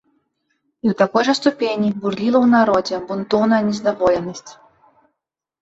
І ў такой жа ступені бурліла ў народзе бунтоўная нездаволенасць.